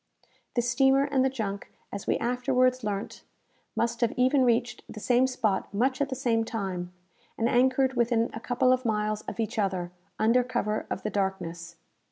The steamer and the junk, as we afterwards learnt, must have even reached the same spot much at the same time, and anchored within a couple of miles of each other, under cover of the darkness.